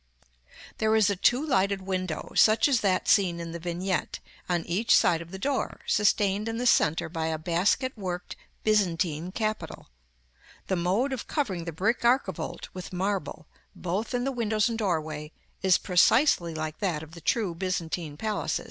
There is a two lighted window, such as that seen in the vignette, on each side of the door, sustained in the centre by a basket worked Byzantine capital: the mode of covering the brick archivolt with marble, both in the windows and doorway, is precisely like that of the true Byzantine palaces.